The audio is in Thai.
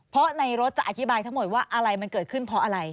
เพราะในรถจะอธิบายทั้งหมดว่าอะไรมันเกิดขึ้นเพราะอะไร